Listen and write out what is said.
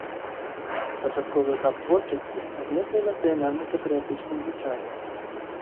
Пачатковы этап творчасці адметны нацыянальна-патрыятычным гучаннем.